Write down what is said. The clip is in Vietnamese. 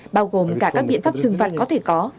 bao gồm cả các biện pháp trừng phạt có thể có